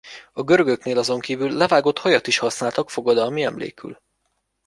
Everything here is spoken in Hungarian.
A görögöknél azonkívül levágott hajat is használtak fogadalmi emlékül.